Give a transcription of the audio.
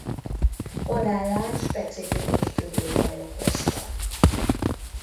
Halálát specifikus tüdőbaj okozta.